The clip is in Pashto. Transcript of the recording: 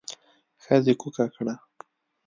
ښځې کوکه کړه.